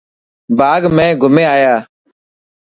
باغ مان گھمي آيا؟